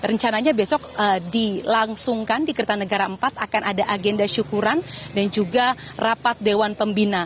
perencanaannya besok dilangsungkan di ketua negara iv akan ada agenda syukuran dan juga rapat dewan pembina